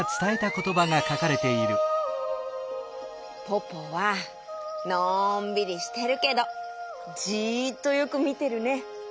ポポはのんびりしてるけどじっとよくみてるね！